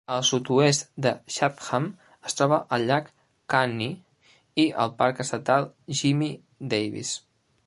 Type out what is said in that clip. Al sud-oest de Chatham es troba el llac Caney i el parc estatal Jimmie Davis.